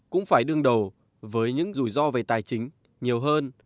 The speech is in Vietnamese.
cũng phải đương đầu với những rủi ro về tài chính nhiều hơn